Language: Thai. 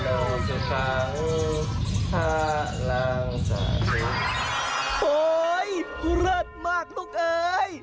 โอ๊ยเริ่ดมากลูกเอ๋ย